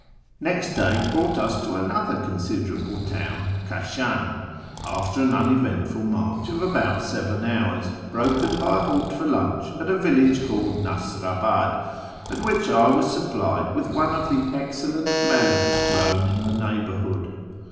Next day brought us to another considerable town — Kashan — after an uneventful march of about seven hours, broken by a halt for lunch at a village called Nasrabad, at which I was supplied with one of the excellent melons grown in the neighbourhood.